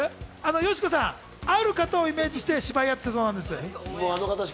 よしこさんは、ある方をイメージして芝居をされていたそうです。